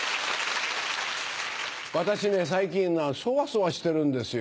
私ね最近そわそわしてるんですよ。